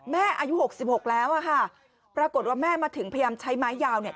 แม่อายุหกสิบหกแล้วอะค่ะปรากฏว่าแม่มาถึงพยายามใช้ไม้ยาวเนี่ย